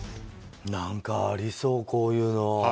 何かありそう、こういうの。